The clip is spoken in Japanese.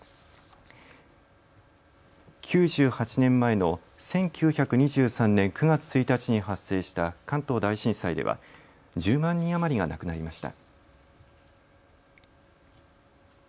９８年前の１９２３年９月１日に発生した関東大震災では１０万人余りが亡くなりました。